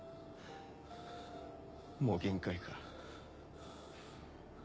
もう限界か。